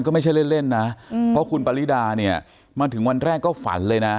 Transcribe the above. ก็ไม่ใช่เล่นนะเพราะคุณปริดาเนี่ยมาถึงวันแรกก็ฝันเลยนะ